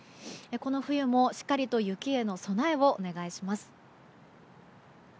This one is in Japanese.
この冬もしっかりと雪への備えをお願いします。